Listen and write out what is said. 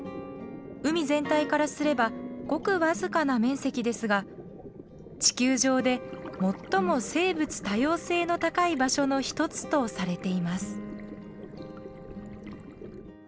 海全体からすればごく僅かな面積ですが地球上で最も生物多様性の高い場所の一つとされています。